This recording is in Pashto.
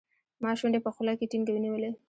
ما شونډې په خوله کې ټینګې ونیولې.